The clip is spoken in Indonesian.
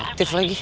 gak aktif lagi